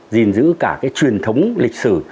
gìn giữ cả truyền thống lịch sử